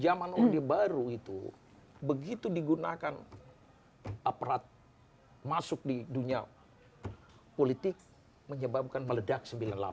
zaman orde baru itu begitu digunakan aparat masuk di dunia politik menyebabkan meledak sembilan puluh delapan